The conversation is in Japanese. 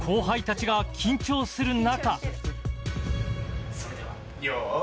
後輩たちが緊張する中。